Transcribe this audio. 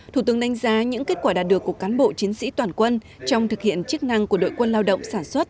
thủ tướng đánh giá những kết quả đạt được của cán bộ chiến sĩ toàn quân trong thực hiện chức năng của đội quân lao động sản xuất